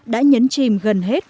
đã nhấn chìm gần hết